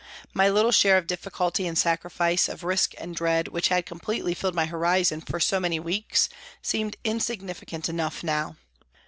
My little share of difficulty and sacrifice, of risk and dread, which had completely filled my horizon for so many weeks, seemed insignificant enough now.